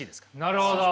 なるほど。